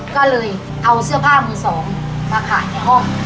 ก็เลยเอาเสื้อผ้ามือสองมาขายในห้อง